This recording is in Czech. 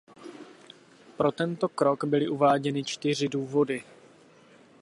Pro tento krok byly uváděny čtyři důvody.